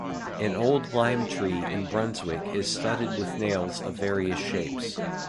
An old lime-tree in Brunswick is studded with nails of various shapes.